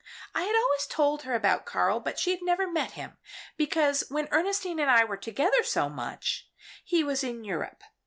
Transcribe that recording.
I had always told her about Karl, but she had never met him, because when Ernestine and I were together so much, he was in Europe.